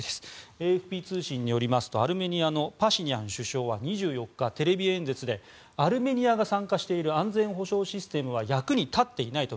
ＡＦＰ通信によりますとアルメニアのパシニャン首相はテレビ演説で、アルメニアが参加している安全保障システムは役になっていないと。